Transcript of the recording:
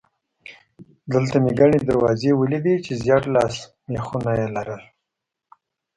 دلته مې ګڼې دروازې ولیدې چې ژېړ لاسي مېخونه یې لرل.